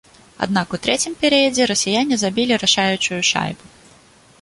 Аднак у трэцім перыядзе расіяне забілі рашаючую шайбу.